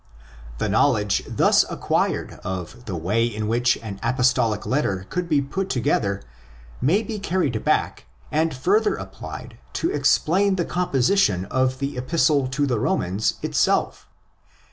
The knowledge thus acquired of the way in which an Apostolic letter could be put together may be carried back and further applied to explain the composition of the Epistle to the Romans itself.